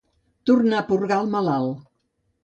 Tornar a purgar el malalt.